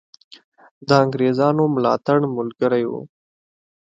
د انګرېزانو ملاتړ ملګری وو.